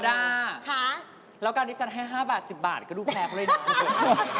แล้วการที่ฉันให้๕บาท๑๐บาทก็ดูแพงเลยนะ